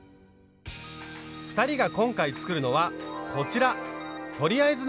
２人が今回作るのはこちら。